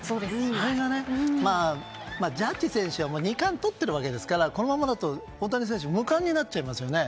それがジャッジ選手はもう２冠とっているわけですからこのままだと大谷選手無冠になっちゃいますよね。